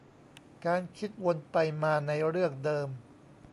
การคิดวนไปมาในเรื่องเดิม